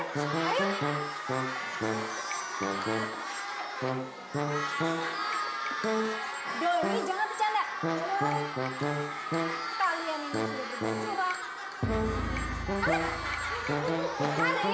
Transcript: maka otomatis yang akan menjadi ketahuan